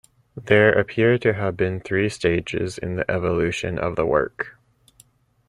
There appear to have been three stages in the evolution of the work.